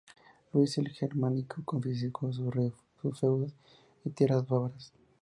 Luis el Germánico confiscó sus feudos y tierras bávaras.